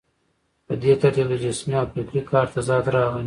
په دې ترتیب د جسمي او فکري کار تضاد راغی.